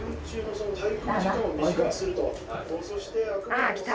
ああ来た。